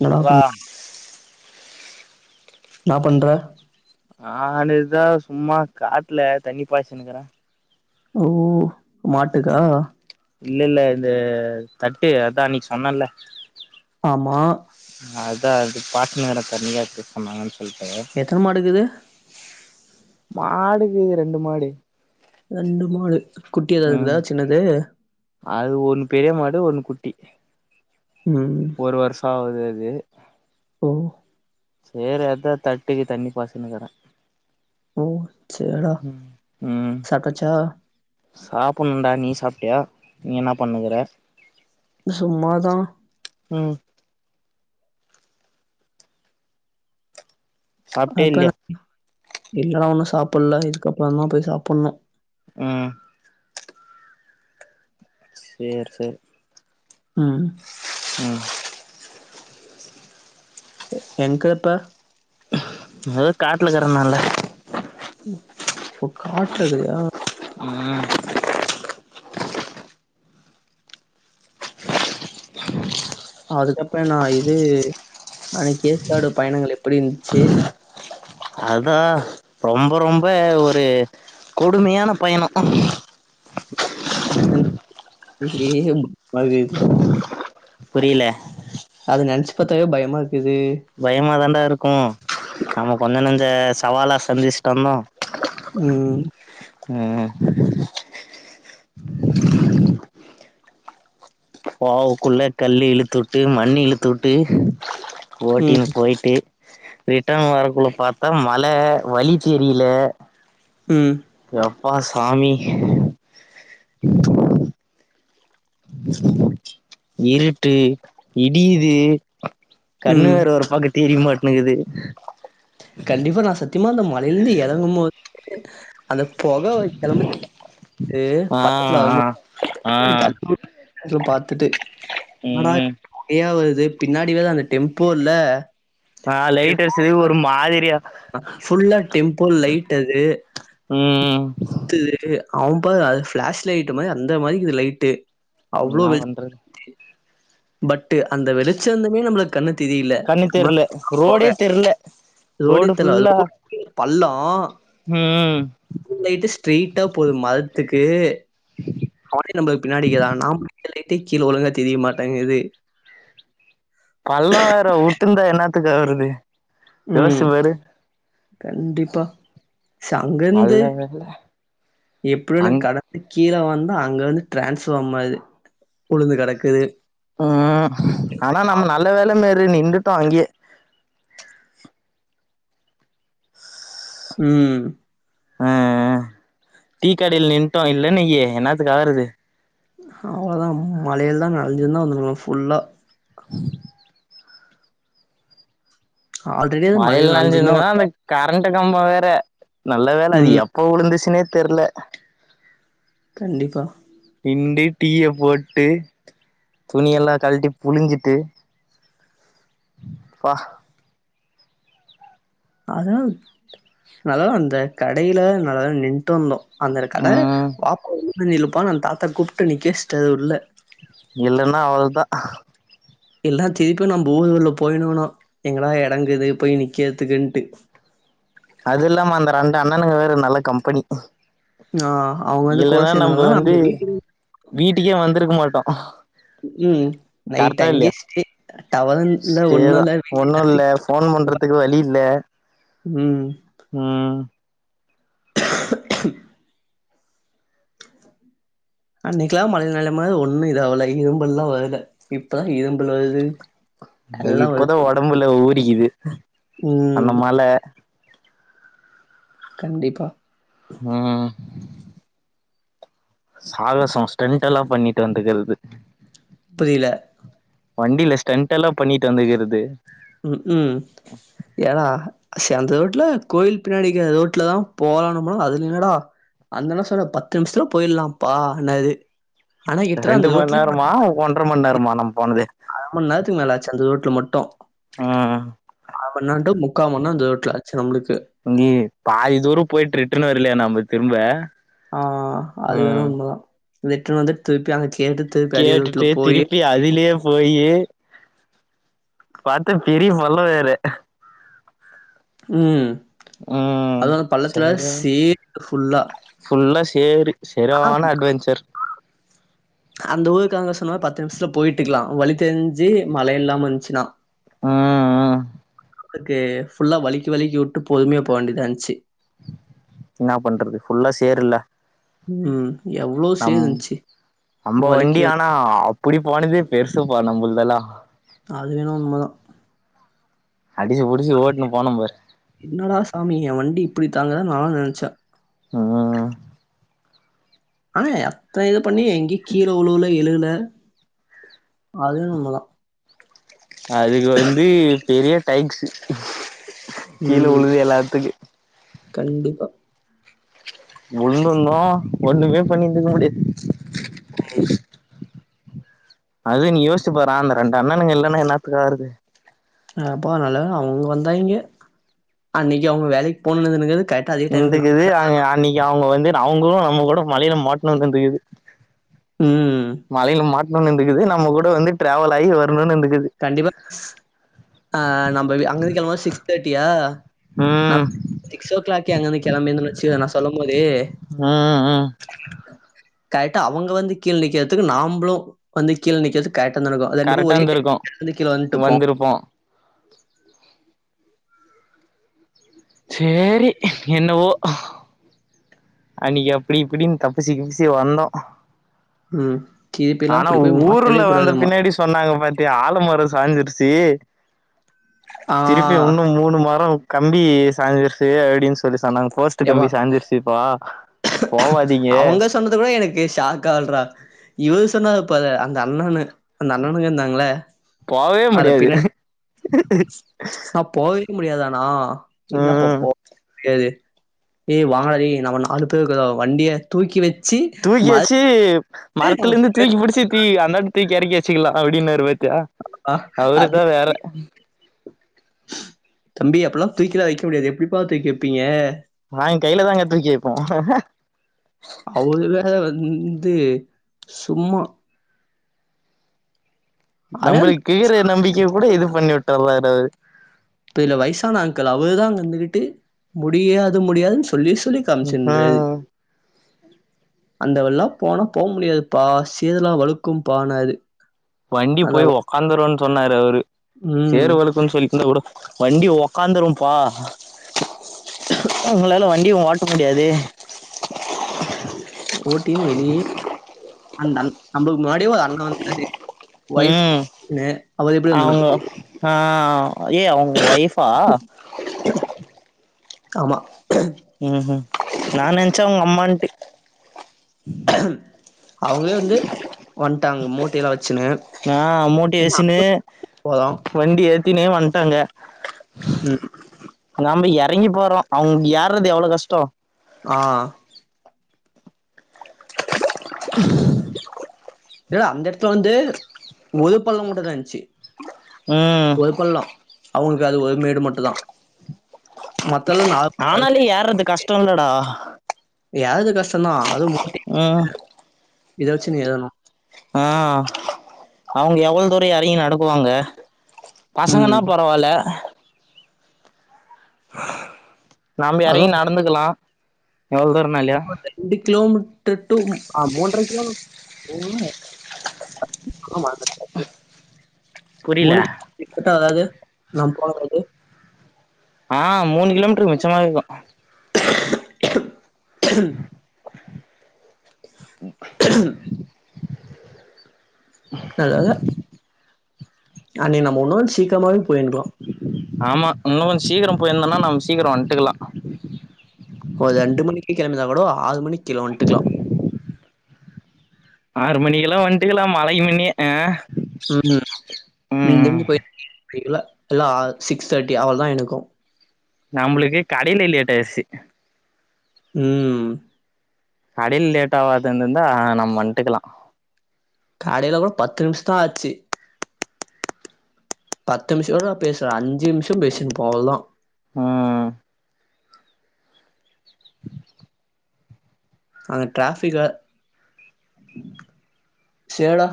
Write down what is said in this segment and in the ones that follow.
என்னடா சொல்றா பண்ற என்னா பண்ற நானு இதா சும்மா காட்ல தண்ணி பாய்சுன்னுக்கிறே ம் மாட்டுக்கா இல்லேல்ல இந்த தட்டு அதா அன்னைக்கி சொன்னல்ல ஆமா அதா அது பாய்ச்சன எடோ தண்ணியாருக்குன் சொன்னாங்கன்னு சொல்ட்டு எத்தன மாடுருக்குது மாடுக்கு ரெண்டு மாடு ரெண்டு மாடு குட்டி ம் எதாருக்குதா சின்னது அது ஒன் பெரியமாடு ஒன்னு குட்டி ம் ஒரு வருஷோ ஆவுது அது ஓ சேரி அதா தட்டுக்கு தண்ணி பாஸ்சுன்னுக்குறே ஓ செர்டா சாட்டச்சா சாப்புன்ணுடா நீ சாப்ட்டியா நீ என்ன பண்ணுக்குற சும்மாதா ம் சாப்ட்டியா இல்லையா அப்பன்னா ம் இல்லடா ஒண்ணு சாப்புல்ல இதுக்கப்புறோ தா போய் சாப்புன்ணு ம் சேரி சேர் ம் ம் எங்கப்பா அதா காட்லருக்கறனல ம் ஓ காட்ல இருக்குறியா ம் அதுக்கப்புறோ நா இது அன்னைக்கி ஏற்காடு பயணங்கள் எப்பிடி இருந்துச்சு அதா ரொம்ப ரொம்ப ஒரு கொடுமையான பயணோ [inaudible] புரில அது நெனச்சி பாத்தாவே பயமா இருக்குது பயமா தான்டா இருக்கு நம்ம கொஞ்ச நெஞ்ச சவாலா சந்திச்சுட்டு வந்தோ ம் அ போவுக்குள்ள கல்லு இழுத்துவுட்டு மண்ணு இழுத்துவுட்டு ம் ஓட்டின்னு போய்ட்டு ரிட்டன் வரக்குள்ள பாத்தா மழ வழி தெரில ம் யப்பா சாமி இருட்டு இடியிது கண்ணு ம் வேற ஒரு பக்கோ தெரியமாட்னுக்குது கண்டிப்பா நா சத்திமா அந்த மலைலந்து எறங்கும்போது அந்த பொக கிளம்பச்ச [inaudible] பக்கத்துல வரும்போது ஆ ஆ ஆ [inaudible] [inaudible] பாத்துட்டு ம் பொகயா வருது பின்னாடி வேற அந்த டெம்போல்ல ஆ லைட் அடிச்சது ஒரு மாரி ஃபுல்லா டெம்போ லைட் அது ம் த்து அவே பாரு அது ஃப்ளாஷ் லைட் மாரி அந்த மாரி இக்குது லைட்டு இன்னா பண்றது பட்டு அந்த வெளிச்சந்தமே நம்ளுக்கு கண்ணு தெரில கண்ணு தெர்ல [inaudible] பொக ரோடே தெர்ல ரோடே ரோடு தெல்ல அதுக்கப்றோ பள்ளோ ஆ [inaudible] லைட்டு ஸ்ட்ரைட்டா போது மரத்துக்கு அவனே நம்புளுக்கு பின்னாடி இக்கிறா நா புடிக்கிற லைட்டு கீழ ஒழுங்கா தெரிய மாட்டங்குது பள்ளோ வேற உட்ருந்தா என்னாத்துக்கு ஆவுறது ம். யோசிச்சு பாரு கண்டிப்பா ச அங்கந்து நல்ல வேல எப்டின்னு அங் கட கீழ வந்தா அங்கே வந்து ட்ரான்ஸ்ஃபாமரு உழுந்து கெடக்குது ம் ஆனா நம்ம நல்ல வேல மேரி நின்டுட்டோ அங்கே ம் ஆ ஆ டீக்கடைல நின்ட்டோ இல்லன் வையு என்னாத்துக்கு ஆறது அவ்ளதா மழைல தா நெனஞ்சின் தா வந்துருக்கணு ஃபுல்லா ஆல்ரெடி அது மழைல மழையில நனஞ்சுன்னு தான் நெனஞ்சியிருந்தனா அந்த கரண்ட்டு கம்போ வேற நல்ல வேல அது ம். எப்ப ப உழுந்துச்சுன்னே தெர்ல கண்டிப்பா நின்டு டீய போட்டு துணியெல்லா கழட்டி புழிஞ்சிட்டு ப்பா அதா [inaudible] அந்த கடைல நல்ல வேல நின்ட்டு இந்தோ அந்தரு கட ம் வாப்பா உள்ள வந்து நில்லுப்பா அந்த தாத்தா கூப்ட்டு நிக்க வச்ட்டாரு உள்ள இல்லன்னா அவள்தா இல்னா திருப்பி நம்போ ஊருக்குள்ள போயினுக்குணு எங்கடா எடோ இக்குது போய் நிக்கறதுக்குன்ட்டு அது இல்லாம அந்த ரெண்டு அண்ணனுங்க வேற நல்ல கம்பனி ஆ அவங்க வந்து கூட இல்லன்னா நம்ப சேந்தனால வந்து நம்ம வீட்டு வீட்டுக்கே வந்துருக்க மாட்டோ ம் நைட் கரெக்டா அங்கயே இல்லையா ஸ்டே டவரு இல்ல ஒண்ணு ஸ்டேதா இல்ல வீட் [inaudible] ஒண்ணு இல்ல ஃபோன் பண்றதுக்கு வழி இல்ல ம் ம் அன்னைக்கெல்லா மழ நெலமையில ஒன்னு இதாவல இரும்பல்லா வரல இப்பதா இரும்பல் வருது அது எல்லாம் வருது. இப்பதா ஒடம்புல ஊறிக்குது ம் அந்த மழ கண்டிப்பா ஆ சாகச ஸ்டென்டல்லா பண்ணிட்டு வந்துக்குறது புரியல வண்டில ஸ்டண்ட் எல்லா பண்ணிட்டு வந்துக்குறது ம் ம் ஏனா சே அந்த ரோட்டுல கோயில் பின்னாடிக்குற ரோட்ல தா போலனுமா அதுல என்னடா அந்த அண்ணா சொன்னா பத்து நிமிஷத்துல போயிட்லாப்பான்னாறு ஆனா எட்டுனா அந்த ரோட்லய ஒன்ர மண் நேரமா நம்ம போனது அர மண் நேரதுக்கு மேலாச்சு அந்த ரோட்டுல மட்டு ம் அர மண் நேரத்ல முக்கா மண் நே அந்த ரோட்டுல ஆச்சு நம்ளுக்கு இங்கே பாதி தூரோ போயிட்டு ரிட்டன்னு வரலையா நம்ப திரும்ப ஆ அது வேண ம் உண்மதா ரிட்டன்னு வந்துட்டு திருப்பி அங்க கேட்டு திருப்பி அதே ரூட்ல கேட்டுட்டு போயி திருப்பி அதுலயே போயி பாத்த பெரிய பல்லொ வேற ம் ம் அது அந்து பள்ளத்துல சரியான சேர் ஃபுல்லா ஃபுல்லா சேரு ஆனா செரியான அட்வெஞ்சர் அந்த ஊருக்கு அங்க சொன்ன பத்து நிமிஷத்துல போயிட்டுக்குலா வழி தெரிஞ்சு மழ இல்லாம இருந்ச்சுனா ஆ அ அதுக்கு ஃபுல்லா வலிக்கு வலிக்கு வுட்டு பொறுமையா போ வேண்டியதா இருந்ச்சு என்ன பண்றது ஃபுல்லா சேருல்ல ம் எவ்ளோ நம் சேர் இந்ச்சு நம்ம வண்டி வலிக்கி வலிக் ஆனா அப்டி போனதே பெருசுப்பா நம்மளுதெல்லா அது வேணா உண்மதா அடிசு புடிச்சு ஓட்னு போனோ பாரு என்னடா சாமி எ வண்டி இப்டி தாங்குதா நானு நெனச்சே ஆ ஆனா அத்தன இது பண்ணி எங்கயு கீழே உழுவுல எழுல அது என்னவு உண்மதா அதுக்கு வந்து பெரிய டாங்க்ஸீ கீழே ம். உழுகல எல்லாத்துக்கு கண்டிப்பா உழுந்துருந்தோ ஒண்ணுமே பண்ணி இருந்துக்க முடியாது ம் அது நீ யோசிச்சுப் பாறே அந்த ரெண்டு அண்ணனுங்க இல்லன்னா என்னாத்துக்கு ஆகுறது நா போன்னால அவுங்க வந்தாய்ங்கே அன்னைக்கி அவுங்க வேலைக்கு போணுதுங்கிறது கட் இருந்துக்கிது அய்ங்க அன்னைக்கி அவுங்க வந்து அவுங்களு நம்ம கூட மழைல மாட்ணு இருந்துக்குது ம். மழையில மாட்ணுனு இருந்துக்குது நம்ம கூட வந்து டிராவல் ஆயி வரணுனு இருந்துக்குது கண்டிப்பா அ நம்ப்ளுது அங்கருக்கு கெளம்பும் போது சிக்ஸ் தேட்டியா நா ம் சிக்ஸ் ஓ கிளாக் அங்கருந்து கெளம்பியிருந்தோ வெச்சுகோ நா சொல்லும் போது ம் ம் ம் கரெக்ட்டா அவுங்க வந்து கீழ நிக்கிறதுக்கு நாம்ளு வந்து கீழ நிக்கிறதுக்கு கரெக்டா நடக்கு ரெண்டுக்கும் கரெக்டா ஒரே டைம் இருந்திருக்கு மேலருந்து கிழ வந்ட்டுப்போ வந்திருப்போ சேரி என்னவோ அன்னைக்கி அப்டி இப்டின் தப்பிச்சி கிப்பிச்சி வந்தோ ம். திருப்பிலாம் ஆனா அப்படி போய் மாட்டவே ஊருல வந்த கூடாதும்மா. பின்னாடி சொன்னாங்க பாத்தி ஆழ மரோ சாஞ்சிருச்சி ஆ திருப்பியு உன்னு மூணு மரோ கம்பி சாய்சிருச்சி அப்டின் சொல்லி சொன்னாங்க போஸ்டு யப்பா! கம்பி சாஞ்சுருச்சுப்பா போவாதீக அவங்க சொன்னது கூட எனக்கு ஷாக் ஆல்ட்றா இவரு சொன்னாருப்பாரு அந்த அண்ணனு அந்த அண்ணனுக இருந்தாங்கல்ல போவே முடியாது அண்ணா போவே முடியாதாணா இல்லப்ப ம் போ எது ஏ வாரே நம்ம நாலு பேரு இருக்குறோ வண்டிய தூக்கி வெச்சி தூக்கி வெச்சி மரத்துலருந்து தூக்கி பிடிச்சி தீ அந்தாண்ட தூக்கி எறக்கி வெச்சுக்கலா அப்டின்னாரு பாத்தியா அவரு அது தா வேற தம்பி அப்பல்லா தூக்கிலா வெக்க முடியாது எப்டிப்பா தூக்கி வெப்பீங்க நாங்க கைல தாங்க தூக்கி வெப்போ அவ்ளு தா அதுல வந்து சும்மா அதான் நம்ப்ளுக்கு கீற நம்பிக்க கூட இது பண்ணி விட்டராறு அவரு இப்ப இதுல வயசான ஆங்கள் அவரு தா அங்க இருந்துகிட்டு முடியாது முடியாதுன் சொல்லி சொல்லி கன்செண்டு ம் அந்தவல்லா போனா போ முடியாதுப்பா சேதெலா வழுக்குப்பானாரு வண்டி போய் உட்காந்துருன் சொன்னாரு அவரு ம். சேர் வழுக்குன்னு சொல்லிருந்தா கூட வண்டி உக்காந்துரும்ப்பா உங்களால வண்டியு ஓட்ட முடியாது ஓட்டீனு வெளியே [inaudible] அந் தண் நம்பளுக்கு முன்னாடியே ஒரு அண்ண வந்தாரு ஒய்ஃப் ம் [inaudible] னு அவரு எப்டி அவங்க வந்துனுருப்பாரு ஆ ஏ அவுங்க ஒய்ஃபா ஆமா ம் ம் நா நெனச்சே அவுங்கம்மான்ட்டு அவுங்ளே வந்து வந்ட்டாங்க மூட் டைல வெச்சினு ஆ மூட்டைய வெச்சினு போதும் வண்டி ஏத்தினே வந்ட்டாங்க ம் நாம எறங்கி போறோ அவுங்க ஏறது எவ்ளோ கஷ்டோ ஆ [inaudible] ல்ல அந்த எடத்துல வந்து ஒரு பள்ளோ மட்டுந்தா இந்ச்சு ம் ஒரு பள்ளோ அவ்ங்ளுக்கு அது ஒருமேடு மட்டு தா ஆனாலு ஏர்றது கஷ்டோ இல்லடா ஏர்றது கஷ்டந்தா அதுவு ம் [inaudible] இத வச்சு நீ ஏறணு ஆ அவ்ங்க எவ்ளோ தூரோ எறங்கி நடக்குவாங்க பசங்கன்னா ம் பரவால நம்ப அதுவு எறங்கி நடந்துக்கலா எவ்ளோ தூரனாலு ண்டு கிலோமீட்ர் டு ஆ மூன்ற கிலோ [inaudible] [inaudible] ஆமா [inaudible] புரில மூணு [inaudible] ஆ மூணு கிலோமீட்ருக்கு மிச்சமா இக்கு [inaudible] ம் [inaudible] [unintelligible] அங்க நம்ம உன்னோ சீக்கரமாவே போயின்லா ஆமா இன்னு கொஞ்ச் சீக்ரோ போயிருந்தன்னா நம்ம சீக்ரோ வன்ட்டுக்லா ஒரு ரெண்டு மணிக்கு கிளம்பிருந்தா கூட ஆறு மணிக் கீழ வன்ட்டுக்லா ஆறு மணிக்லா வன்ட்டுக்லா மழைக்கு மின்னயே ஆ ம் இல்ல லா சிக்ஸ் தேர்ட்டி அவ்ளோ தா எனக்கு நம்ளுக்கு கடெலே லேட் ஆயிருச்சு ம் கடெல் லேட் ஆவாதுந்தாதா நம் வன்ட்டுக்லா கடெல கூட பத்து நிம்ஷ தா ஆச்சு பத்து நிமிஷகூட நா பேசல அஞ்சு நிம்ஷோ பேசின்ட் இந்துருப்பே அவ்ளோதா ம் அங்க டிராஃபிக்கா சேடா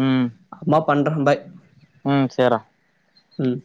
ம் அம்மா பண்றே பாய் ம் சேரா ம்